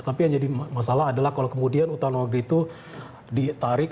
tapi yang jadi masalah adalah kalau kemudian utang luar negeri itu ditarik